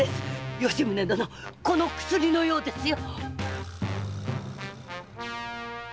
吉宗殿この薬のようですよ。